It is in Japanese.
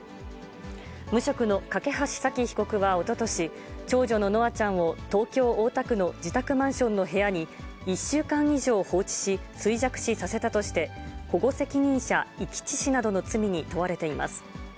無職の梯沙希被告はおととし、長女の稀華ちゃんを東京・大田区の自宅マンションの部屋に、１週間以上放置し、衰弱死させたとして、保護責任者遺棄致死などの罪に問われています。